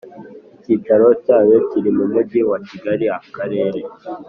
Icyicaro Cyayo Kiri Mu Mujyi Wa Kigali Akarere